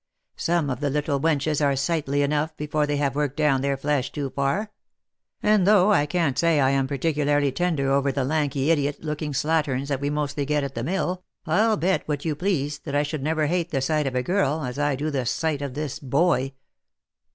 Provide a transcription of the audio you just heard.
Some of the little wenches are sightly enough before they have worked down their flesh too far; and, though I can't say I am" particularly tender over the lanky idiot looking slatterns that we mostly get at the mill, I'll bet what you please that I should never hate the sight of a girl, as I do the sight of this boy."